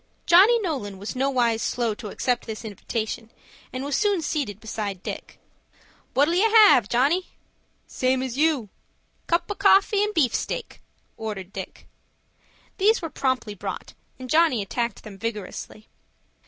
Johnny Nolan was nowise slow to accept this invitation, and was soon seated beside Dick. "What'll you have, Johnny?" "Same as you." "Cup o' coffee and beefsteak," ordered Dick. These were promptly brought, and Johnny attacked them vigorously.